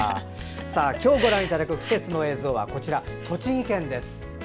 今日ご覧いただく季節の映像は栃木県です。